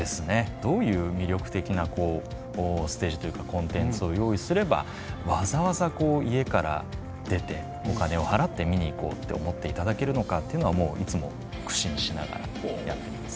どういう魅力的なこうステージというかコンテンツを用意すればわざわざこう家から出てお金をはらって見に行こうって思っていただけるのかっていうのはもういつも苦心しながらやってます。